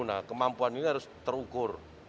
nah kemampuan ini harus terukur